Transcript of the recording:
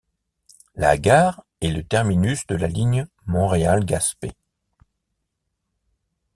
La gare est le terminus de la ligne Montréal-Gaspé.